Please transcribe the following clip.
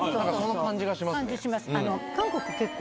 感じします。